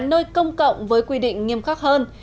nơi công cộng với quy định nghiêm khắc hơn